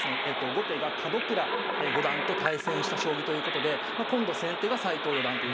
後手が門倉五段と対戦した将棋ということで今度先手が斎藤四段ということですね。